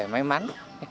để may mắn